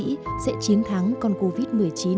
các y bác sĩ sẽ chiến thắng con covid một mươi chín